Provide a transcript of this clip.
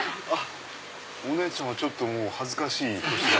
お姉ちゃんは恥ずかしい年頃。